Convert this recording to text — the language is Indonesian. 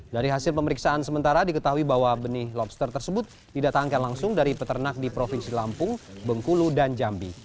dari hasil pemeriksaan sementara diketahui bahwa benih lobster tersebut didatangkan langsung dari peternak di provinsi lampung bengkulu dan jambi